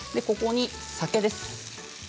ここにお酒です。